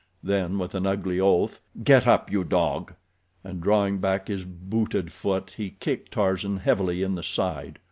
Then, with an ugly oath, "Get up, you dog!" and, drawing back his booted foot, he kicked Tarzan heavily in the side.